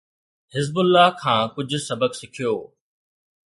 حزب الله کان ڪجھ سبق سکيو.